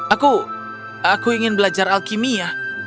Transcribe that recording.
aku aku ingin belajar alkimia